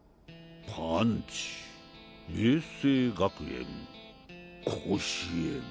パンチ明青学園甲子園。